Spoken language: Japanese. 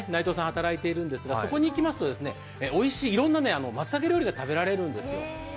働いてらっしゃるんですがそこに行きますと、おいしい、いろんなまつたけ料理が食べられるんですよ。